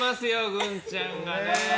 グンちゃんがね。